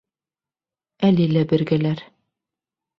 Әле лә бергәләр.